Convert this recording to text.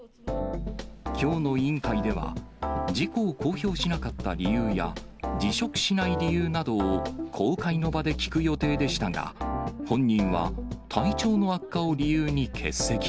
きょうの委員会では、事故を公表しなかった理由や、辞職しない理由などを、公開の場で聞く予定でしたが、本人は体調の悪化を理由に欠席。